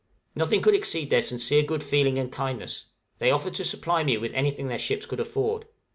Nothing could exceed their sincere good feeling and kindness; they offered to supply me with anything their ships could afford.